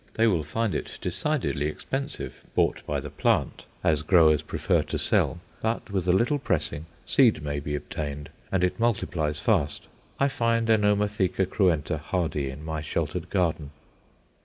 They will find it decidedly expensive bought by the plant, as growers prefer to sell. But, with a little pressing seed may be obtained, and it multiplies fast. I find Anomatheca cruenta hardy in my sheltered garden.